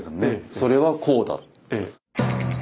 それはこうだと。